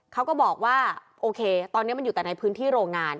เขาก็บอกว่าโอเคตอนนี้มันอยู่แต่ในพื้นที่โรงงาน